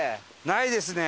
ないですね。